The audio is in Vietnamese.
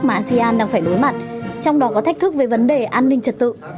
mà asean đang phải đối mặt trong đó có thách thức về vấn đề an ninh trật tự